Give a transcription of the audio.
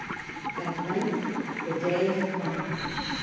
At length the day had come.